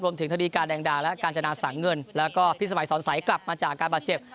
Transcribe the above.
รวมถึงทฤษฎีการแดงดาและการจนาสั่งเงินและพิสมัยสอนสายกลับมาจากการบาดเจ็บ